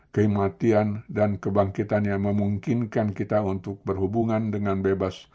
kematian dan kebangkitan yang memungkinkan kita untuk berhubungan dengan bebas